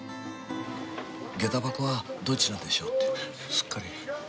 下駄箱はどちらでしょうって。